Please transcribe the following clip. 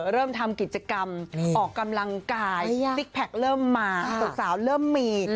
เริ่มทำกิจกรรมออกกำลังกายซิกแพคเริ่มมาสาวเริ่มมี